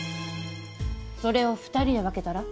それを２人で分けたら？